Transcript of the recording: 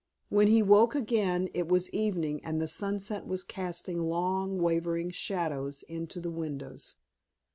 When he woke again it was evening and the sunset was casting long wavering shadows into the windows.